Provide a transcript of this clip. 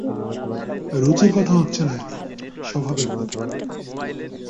রুচির কথা হচ্ছে না এলী, স্বভাবের কথা।